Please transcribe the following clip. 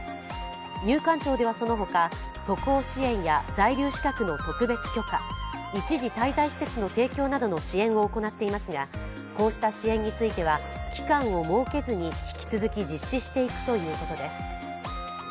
入管庁ではそのほか、渡航支援や在留資格の特例許可一時滞在施設の提供などの支援を行っていますが、こうした支援については期間を設けずに引き続き実施していくということです。